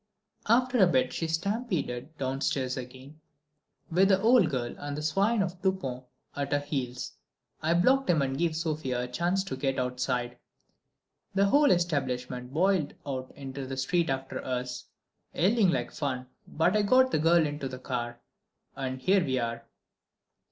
"After a bit she stampeded downstairs again, with the old girl and that swine of a Dupont at her heels. I blocked him and gave Sofia a chance to get outside. The whole establishment boiled out into the street after us, yelling like fun, but I got the girl into the car ... and here we are."